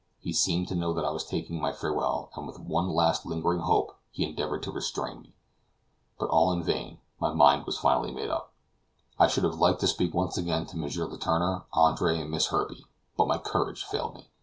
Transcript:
He seemed to know that I was taking my farewell, and with one last lingering hope he endeavored to restrain me. But all in vain; my mind was finally made up. I should have liked to speak once again to M. Letourneur, Andre, and Miss Herbey, but my courage failed me.